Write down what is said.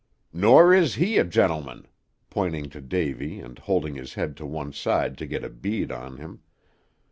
Nor is he a gentleman," pointing to Davy, and holding his head to one side to get a bead on him.